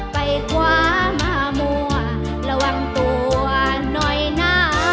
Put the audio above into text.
ไปคว้ามามั่วระวังตัวหน่อยนะ